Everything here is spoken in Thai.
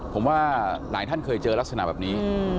ผมว่าหลายท่านเคยเจอลักษณะแบบนี้